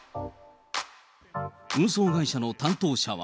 運送会社の担当者は。